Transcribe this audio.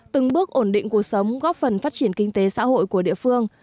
từng bước ổn định cuộc sống góp phần phát triển kinh tế xã hội của địa phương